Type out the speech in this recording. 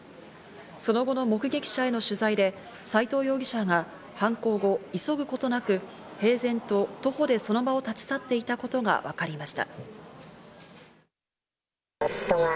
その後の目撃者への取材で斎藤容疑者が犯行後、急ぐことなく、平然と徒歩でその場を立ち去っていたことがわかりました。